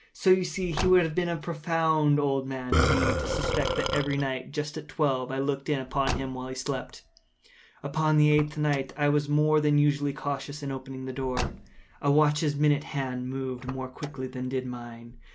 So you see he would have been a very profound old man, indeed, to suspect that every night, just at twelve, I looked in upon him while he slept. Upon the eighth night I was more than usually cautious in opening the door. A watch’s minute hand moves more quickly than did mine.